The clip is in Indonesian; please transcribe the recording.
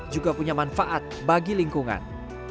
juga punya manfaat bagi lingkungan